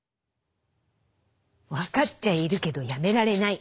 分かっちゃいるけどやめられない。